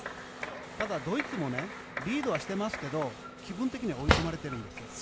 ただ、ドイツもリードはしてますけど気分的には追い込まれているんですよ。